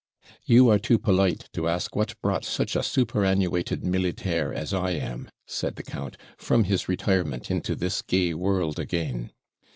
'You are too polite to ask what brought such a superannuated militaire as I am,' said the count, 'from his retirement into this gay world again.